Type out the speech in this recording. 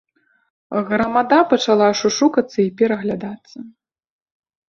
Грамада пачала шушукацца і пераглядацца.